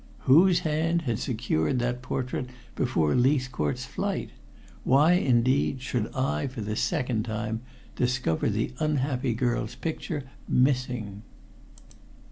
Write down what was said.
Whose hand had secured that portrait before the Leithcourt's flight? Why, indeed, should I, for the second time, discover the unhappy girl's picture missing?